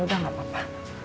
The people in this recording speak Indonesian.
udah gak apa apa